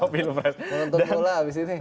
menuntut mula abis ini